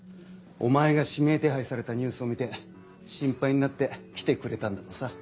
お前が指名手配されたニュースを見て心配になって来てくれたんだとさ。